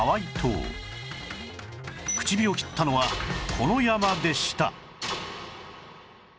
口火を切ったのはこの山でした